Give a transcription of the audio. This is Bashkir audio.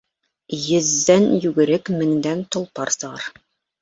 Йөҙҙән йүгерек, меңдән толпар сығыр.